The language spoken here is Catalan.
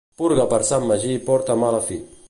Purga per Sant Magí porta a mala fi.